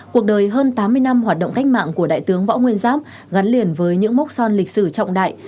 cuộc đời hơn tám mươi năm hoạt động cách mạng của đại tướng võ nguyên giáp gắn liền với những mốc son lịch sử trọng đại